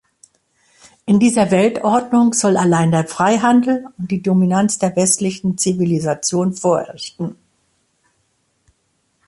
In dieser Weltordnung soll allein der Freihandel und die Dominanz der westlichen Zivilisation vorherrschen.